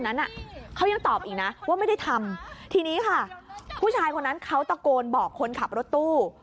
นั้นเขายังตอบอีกนะว่าไม่ได้ทำทีนี้ค่ะผู้ชายคนนั้นเขาตะโกนบอกคนขับรถตู้